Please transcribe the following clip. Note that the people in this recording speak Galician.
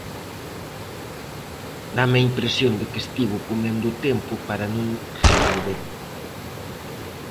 Dáme a impresión de que estivo comendo o tempo para non responderme.